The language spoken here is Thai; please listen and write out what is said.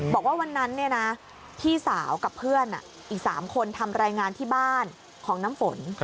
บอกว่าวันนั้นพี่สาวกับเพื่อนอีก๓คนทำรายงานที่บ้านของน้ำฝน